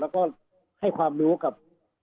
แล้วก็ให้ความรู้กับ